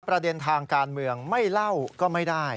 ประเด็นทางการเมืองไม่เล่าก็ไม่ได้